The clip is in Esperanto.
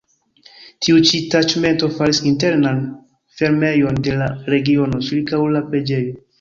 Tiu ĉi taĉmento faris internan fermejon de la regiono ĉirkaŭ la preĝejo.